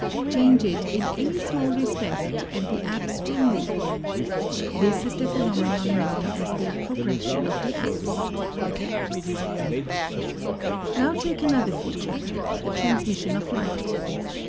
Change it in any small respect and the apse will move. This is the phenomenon known as the progres sion of the apse. Now take another feature — the transmission of light.